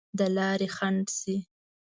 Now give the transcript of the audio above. د لارې خنډ شي.